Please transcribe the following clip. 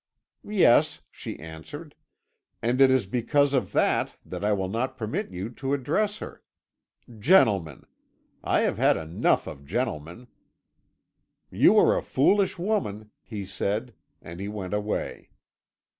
'Yes,' she answered; 'and it is because of that, that I will not permit you to address her. Gentlemen! I have had enough of gentlemen!' 'You are a foolish woman,' he said, and he went away.